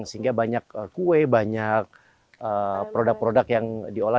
sehingga banyak kue banyak produk produk yang diolah